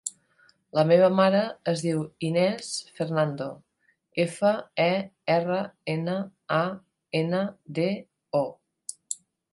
La meva mare es diu Inès Fernando: efa, e, erra, ena, a, ena, de, o.